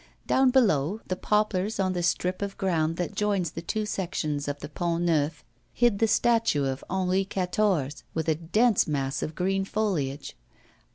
Down below, the poplars on the strip of ground that joins the two sections of the Pont Neuf hid the statue of Henri IV. with a dense mass of green foliage.